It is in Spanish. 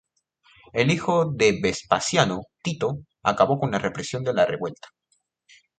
El hijo de Vespasiano, Tito acabó con la represión de la revuelta.